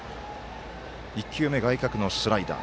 １球目、外角のスライダー。